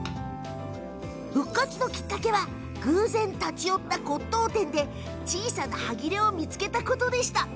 復活のきっかけは偶然、立ち寄った骨とう店で小さな端切れを見つけたことでした。